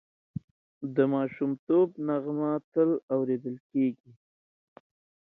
د ماشومتوب نغمه تل اورېدل کېږي